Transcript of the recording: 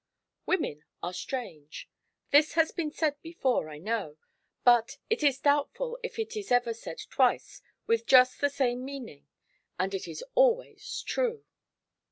Women are strange. This has been said before, I know, but it is doubtful if it is ever said twice with just the same meaning; and it is always true.